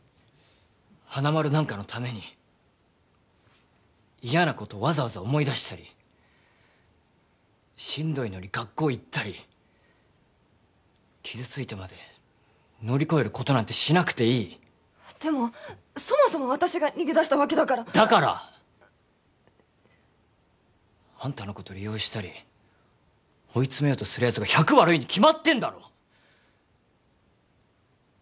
花丸なんかのために嫌なことわざわざ思い出したりしんどいのに学校行ったり傷ついてまで乗り越えることなんてしなくていいでもそもそも私が逃げ出したわけだからだから？あんたのこと利用したり追い詰めようとするやつが１００悪いに決まってんだろ！